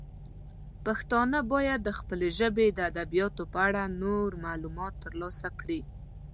پښتانه باید د خپلې ژبې د ادبیاتو په اړه نور معلومات ترلاسه کړي.